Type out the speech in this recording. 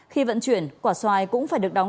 khi vận chuyển quả xoài cũng phải được đóng